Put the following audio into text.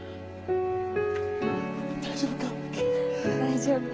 大丈夫か？